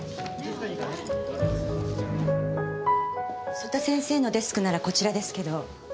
曽田先生のデスクならこちらですけど。